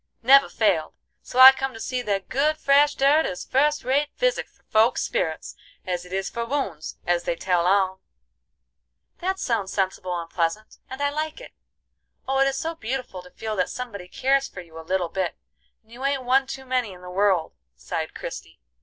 Never failed; so I come to see that good fresh dirt is fust rate physic for folk's spirits as it is for wounds, as they tell on." "That sounds sensible and pleasant, and I like it. Oh, it is so beautiful to feel that somebody cares for you a little bit, and you ain't one too many in the world," sighed Christie.